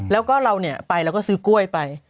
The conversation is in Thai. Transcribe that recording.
แล้วก็เราไปเราก็ซื้อกล้วยไป